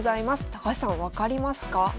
高橋さん分かりますか？